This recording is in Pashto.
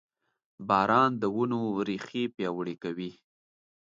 • باران د ونو ریښې پیاوړې کوي.